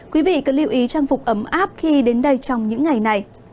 quý vị cần lưu ý trang phục ấm áp khi đến đây trong những ngày này